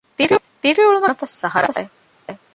ދިރިއުޅުމަކީ ހަނަފަސް ސަހަރާއެއް